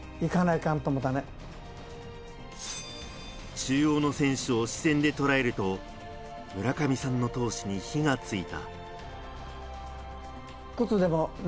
中央の選手を視線でとらえると、村上さんの闘志に火がついた。